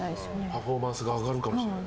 パフォーマンスが上がるかもしれない。